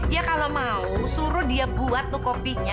ya kalau mau suruh dia buat tuh kopinya